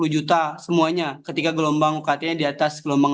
sepuluh juta semuanya ketika gelombang ukt nya di atas gelombang delapan